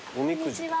こんにちは。